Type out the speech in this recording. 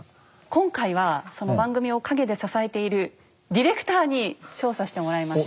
今回は番組を陰で支えているディレクターに調査してもらいました。